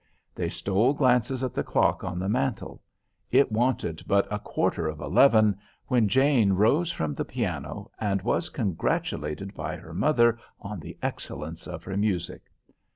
They stole glances at the clock on the mantel. It wanted but a quarter of eleven, when Jane rose from the piano, and was congratulated by her mother on the excellence of her music.